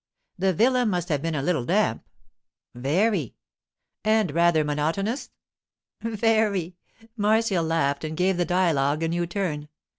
'The villa must have been a little damp.' 'Very.' 'And rather monotonous?' 'Very!' Marcia laughed and gave the dialogue a new turn.